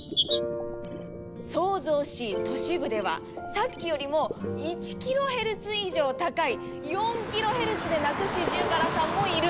騒々しい都市部ではさっきよりも１キロヘルツ以上高い４キロヘルツで鳴くシジュウカラさんもいるんです！